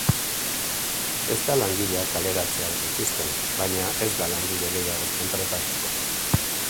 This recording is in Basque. Ez da langileak kaleratzea aurreikusten, baina ez da langile gehiago kontratatuko.